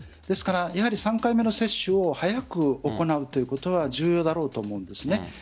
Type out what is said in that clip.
ですから３回目の接種を早く行うということは重要だろうと思うんです。